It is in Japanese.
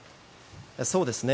そうですね。